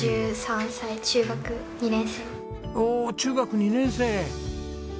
おお中学２年生。